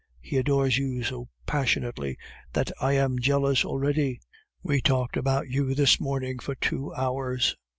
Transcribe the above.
He adores you so passionately that I am jealous already. We talked about you this morning for two hours.